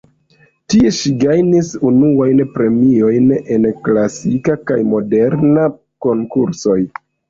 Tie ŝi gajnis unuajn premiojn en klasika kaj moderna konkursoj.